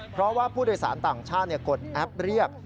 เพราะว่าผู้โดยสารต่างชาติกดแอปเรียก